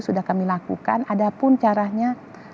sudah kami lakukan ada pun caranya